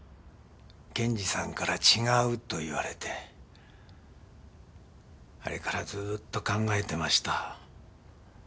検事さんから違うと言われてあれからずーっと考えてました。